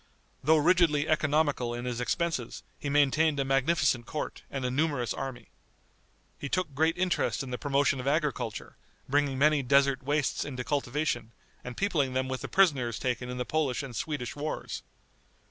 Though rigidly economical in his expenses, he maintained a magnificent court and a numerous army. He took great interest in the promotion of agriculture, bringing many desert wastes into cultivation, and peopling them with the prisoners taken in the Polish and Swedish wars.